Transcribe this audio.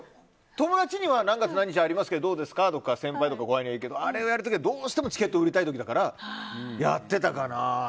友達には何月何日ありますけどどうですか？とか言うけどあれをやる時はどうしてもチケットを売りたい時だからやってたかな。